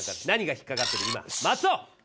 何が引っかかってるんだ？